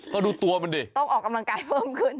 ก็ดูตัวมันดิต้องออกกำลังกายเพิ่มขึ้น